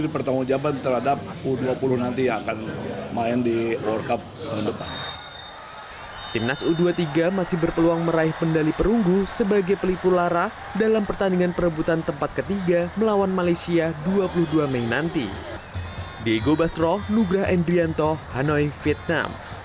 pertandingan selama sembilan puluh menit berakhir sehingga laga harus berlanjut menjadi penyebab kekalahan sekuat garuda muda